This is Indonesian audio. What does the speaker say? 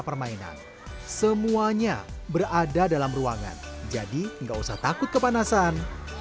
permainan semuanya berada dalam ruangan jadi enggak usah takut kepanasan